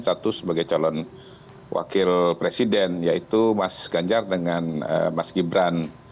satu sebagai calon wakil presiden yaitu mas ganjar dengan mas gibran